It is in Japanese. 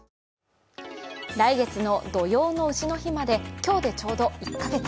来月の土用の丑の日まで今日でちょうど１カ月。